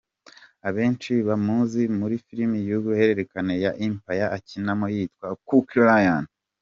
Abenshi bamuzi muri film y’uruhererekane ya Empire, akinamo yitwa Cookie Lyon.